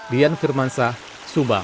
dian firmansah subang